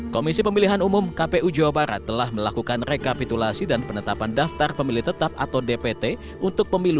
komisi pemilihan umum kpu jawa barat telah melakukan rekapitulasi dan penetapan daftar pemilih tetap atau dpt untuk pemilu dua ribu sembilan belas